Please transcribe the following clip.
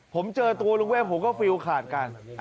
ผมเจอตัวลุงเวทผมก็ฟิลขาดกัน